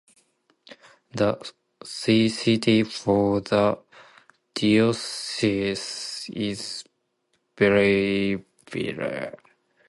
The See city for the diocese is Belleville.